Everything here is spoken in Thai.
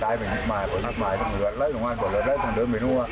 นั่นนั่นง่ายมากเลยอะไรว่ะมันมา